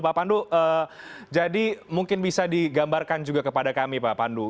pak pandu jadi mungkin bisa digambarkan juga kepada kami pak pandu